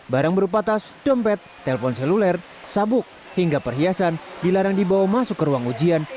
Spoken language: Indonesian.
barang berupa tas dompet telpon seluler sabuk hingga perhiasan dilarang dibawa masuk ke ruang ujian